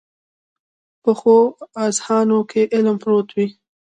پخو اذهانو کې علم پروت وي